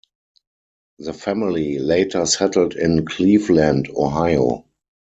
The family later settled in Cleveland, Ohio.